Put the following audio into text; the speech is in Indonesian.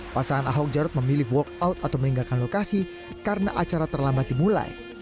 pasangan ahok jarot memilih walk out atau meninggalkan lokasi karena acara terlambat dimulai